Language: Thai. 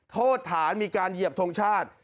โทษฐานมีการเหยียบทงชาติ